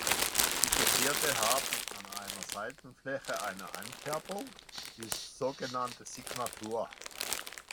Die Gevierte haben an einer Seitenfläche eine Einkerbung, die sogenannte Signatur.